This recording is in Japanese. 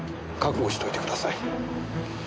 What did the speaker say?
覚悟しておいてください。